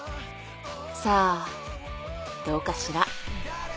さあどうかしら。